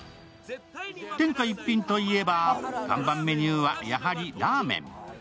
天下一品といえば、看板メニューは、やはりラーメン。